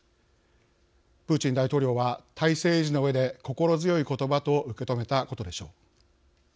プーチン大統領は体制維持のうえで心強い言葉と受け止めたことでしょう。